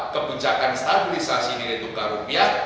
kebijakan stabilisasi nilai tukar rupiah